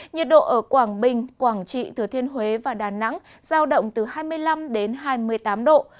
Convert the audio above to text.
nhiệt độ ở quảng bình quảng trị thừa thiên huế và đà nẵng giao động từ hai mươi năm đến hai mươi tám độ